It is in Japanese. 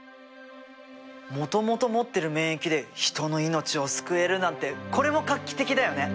もともと持ってる免疫で人の命を救えるなんてこれも画期的だよね。